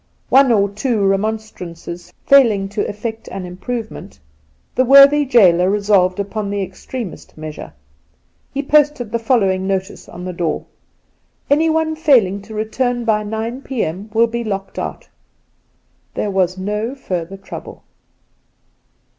One or two remonstrances failing to effect an improvement, the worthy gaoler resolved upon the extremest measure. He posted the following notice on the door :' Anyone failing to return by nine p.m. will be locked out.' There was no further trouble.